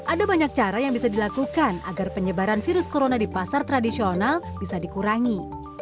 ada banyak cara yang bisa dilakukan agar penyebaran virus corona di pasar tradisional bisa dikurangi